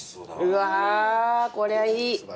うわこりゃいい。